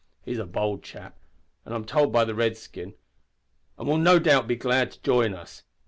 He's a bold chap, I'm told by the redskin, an' will no doubt be glad to jine us.